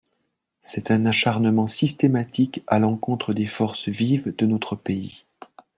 C’est un acharnement systématique à l’encontre des forces vives de notre pays.